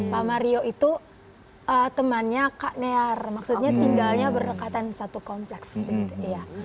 pak mario itu temannya kak near maksudnya tinggalnya berdekatan satu kompleks gitu ya